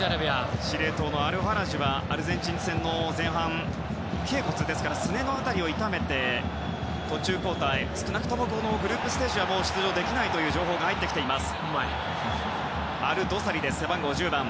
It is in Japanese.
司令塔のアルファラジュはアルゼンチン戦の前半すねの辺りを痛めて途中交代、少なくともこのグループステージは出場できないという情報が入っています。